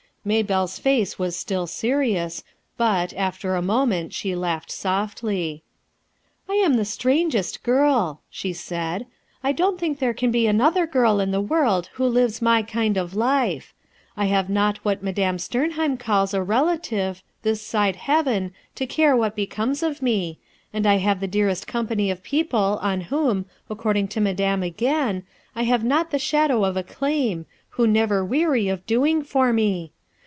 Maybelle's face was still serious, but, after a moment, she laughed softly, "I am the strangest girl!" she said. "I don't think there can be another girl in the world who lives my kind of life. I have not 300 RUTH ERSKINE S SON what Madame Sternhcitn calls a 'relative ' this side heaven to care what becomes of me, and I have the dearest company of people, on whom, according to Madame again, I have not the shadow of a claim, who never weary of doing for me!